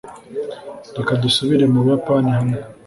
reka dusubire mu buyapani hamwe